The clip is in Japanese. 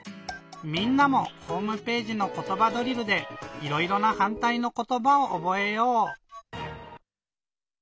みんなもホームページの「ことばドリル」でいろいろなはんたいのことばをおぼえよう！